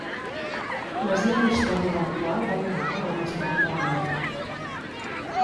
Masia la història de la qual va lligada al mas Plantalamor.